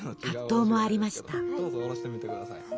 どうぞおろしてみてください。